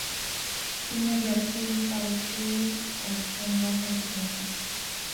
তিনি জাতীয় পাটি এর একজন রাজনৈতিক নেতা।